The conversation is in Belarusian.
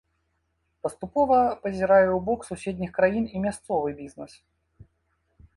Паступова пазірае ў бок суседніх краін і мясцовы бізнэс.